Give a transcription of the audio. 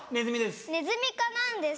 ネズミです。